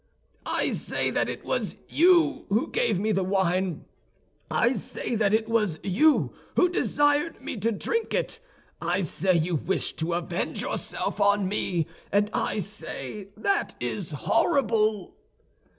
"I say that it was you who gave me the wine; I say that it was you who desired me to drink it. I say you wished to avenge yourself on me, and I say that it is horrible!"